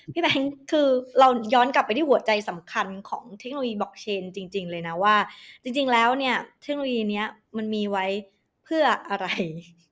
แบงค์คือเราย้อนกลับไปที่หัวใจสำคัญของเทคโนโลยีบอกเชนจริงเลยนะว่าจริงแล้วเนี่ยเทคโนโลยีนี้มันมีไว้เพื่ออะไร